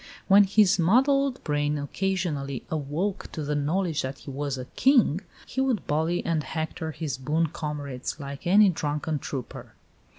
When his muddled brain occasionally awoke to the knowledge that he was a King, he would bully and hector his boon comrades like any drunken trooper.